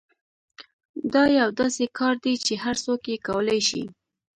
دا یو داسې کار دی چې هر څوک یې کولای شي